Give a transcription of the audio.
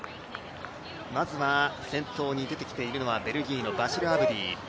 先頭に出てきているのは、ベルギーのバシル・アブディ。